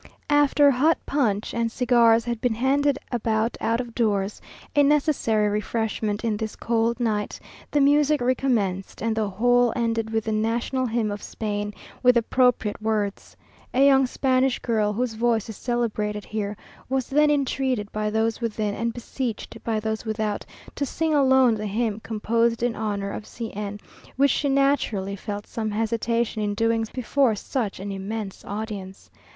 After hot punch and cigars had been handed about out of doors, a necessary refreshment in this cold night, the music recommenced, and the whole ended with the national hymn of Spain, with appropriate words. A young Spanish girl, whose voice is celebrated here, was then entreated by those within, and beseeched by those without, to sing alone the hymn composed in honour of C n, which she naturally felt some hesitation in doing before such an immense audience.